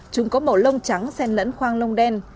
chúng có màu lông trắng sen lẫn khoang nông đen